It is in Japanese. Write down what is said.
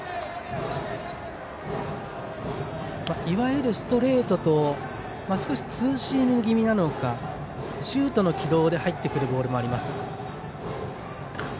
いわゆるストレートと少しツーシーム気味なのかシュートの軌道で入ってくるボールもあります。